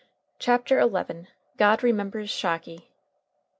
] CHAPTER XX. GOD REMEMBERS SHOCKY.